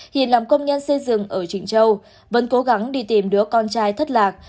hiền làm công nhân xây dựng ở trịnh châu vẫn cố gắng đi tìm đứa con trai thất lạc